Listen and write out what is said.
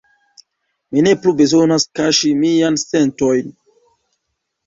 Mi ne plu bezonas kaŝi miajn sentojn.